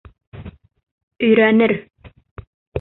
Өйрәнер.